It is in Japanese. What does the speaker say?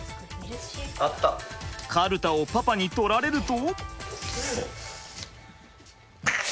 カルタをパパに取られると。